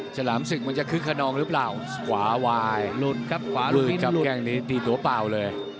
ฉลามศึกมันจะคึกขนองหรือเปล่าขวาวายหลุดครับขวาหลุดครับแค่งนี้ตีตัวเปล่าเลย